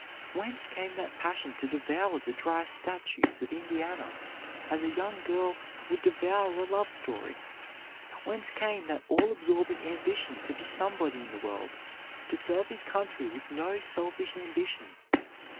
Whence came that passion to devour the dry statutes of Indiana, as a young girl would devour a love story? Whence came that all absorbing ambition to be somebody in the world; to serve his country with no selfish ambition?